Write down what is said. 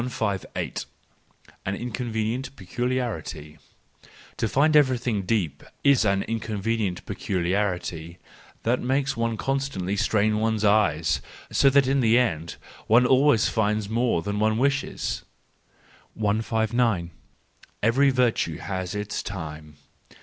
An Inconvenient Peculiarity, —To find everything deep is an inconvenient peculiarity: it makes one constantly strain one's eyes, so that in the end one always finds more than one wishes. 159 Every Virtue has its Time.